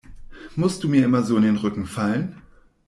Musst du mir immer so in den Rücken fallen?